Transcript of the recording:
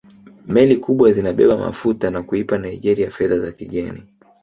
Meli kubwa zinabeba mafuta na kuipa Naigeria fedha za kigeni